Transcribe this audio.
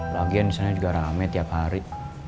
lagian disana juga rame tiap hari